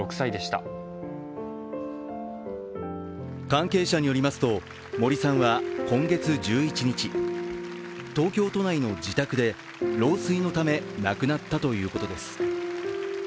関係者によりますと、森さんは今月１１日、東京都内の自宅で老衰のため亡くなったということです。